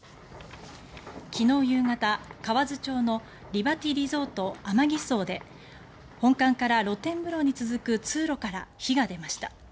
昨日夕方、河津町のリバティリゾートＡＭＡＧＩＳＯで本館から露天風呂に続く通路から火が出ました。